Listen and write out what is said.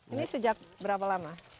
ini sejak berapa lama